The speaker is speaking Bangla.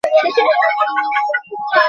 ঠিক যেন পুৎলাবজির দোদুল্যমান পুতুলগুলি মতো।